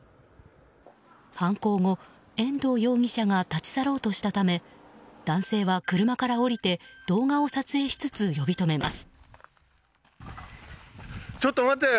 犯行後、遠藤容疑者が立ち去ろうとしたため男性は車から降りて動画を撮影しつつ、呼び止めます。